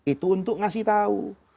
itu untuk memberi tahu